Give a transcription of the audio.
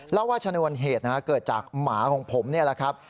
แล้วว่าชนวนเหตุเกิดจากหมาของผมนี่แหละครับ